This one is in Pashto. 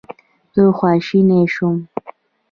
زه خواشینی شوم.